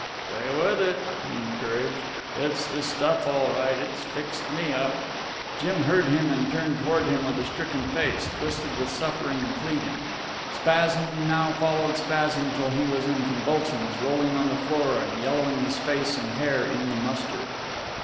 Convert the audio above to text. "Stay with it," he encouraged. "It's the stuff all right. It's fixed me up." Jim heard him and turned toward him with a stricken face, twisted with suffering and pleading. Spasm now followed spasm till he was in convulsions, rolling on the floor and yellowing his face and hair in the mustard.